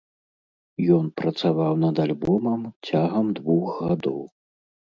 Ён працаваў над альбомам цягам двух гадоў.